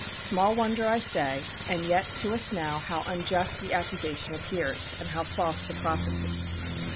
Small wonder, I say, and yet to us now, how unjust the accusation appears, and how false the prophecy.